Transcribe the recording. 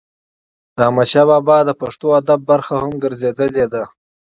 د احمدشا بابا تاریخ د پښتو ادب برخه هم ګرځېدلې ده.